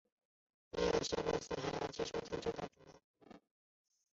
也有些小公司还接受特制的订单。